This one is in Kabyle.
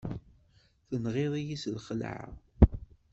Tenɣiḍ-iyi s lxeɛla!